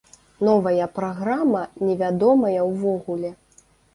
Новая праграма невядомая ўвогуле.